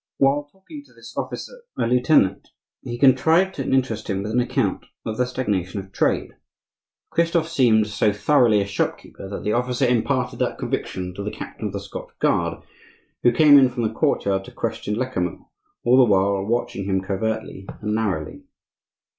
While talking to this officer, a lieutenant, he contrived to interest him with an account of the stagnation of trade. Christophe seemed so thoroughly a shopkeeper that the officer imparted that conviction to the captain of the Scotch guard, who came in from the courtyard to question Lecamus, all the while watching him covertly and narrowly.